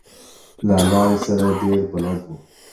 له لارې سره ډېر بلد و.